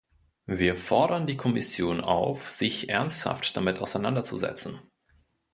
Wir fordern die Kommission auf, sich ernsthaft damit auseinander zu setzen.